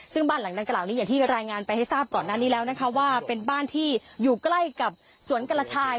ซึ่งบ้านหลังดังกล่าวนี้อย่างที่รายงานไปให้ทราบก่อนหน้านี้แล้วนะคะว่าเป็นบ้านที่อยู่ใกล้กับสวนกระชาย